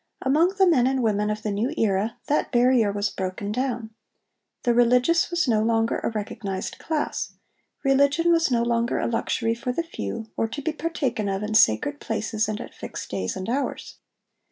Among the men and women of the new era that barrier was broken down. The religious was no longer a recognised class: religion was no longer a luxury for the few, or to be partaken of in sacred places and at fixed days and hours.